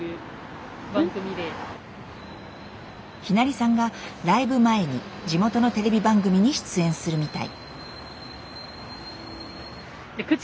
ひなりさんがライブ前に地元のテレビ番組に出演するみたい。